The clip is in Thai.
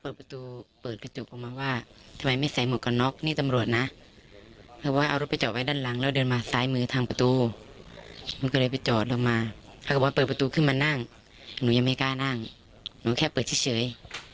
รู้ไหมถ้าไม่ใส่จะปรับ๒๐๐ไหนจะไม่มีพันกลับบ้านเลย